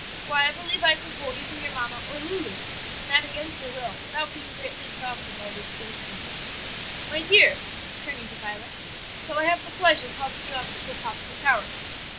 "Why, I believe I could hold even your mamma or Lulu, and that against their will, without being greatly exhausted by the exertion. "My dear," turning to Violet, "shall I have the pleasure of helping you up to the top of the tower?"